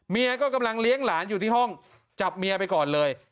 เมียก็กำลังเลี้ยงหลานอยู่ที่ห้องจับเมียไปก่อนเลย